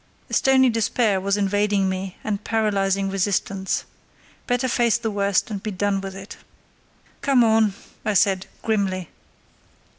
A stony despair was invading me and paralysing resistance. Better face the worst and be done with it. "Come on," I said, grimly.